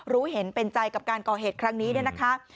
รู้เห็นเป็นใจกับการก่อเหตุครั้งนี้เนี่ยนะคะ